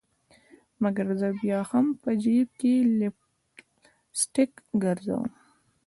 مګر زه بیا هم په جیب کي لپ سټک ګرزوم